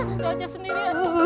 udah aja sendiri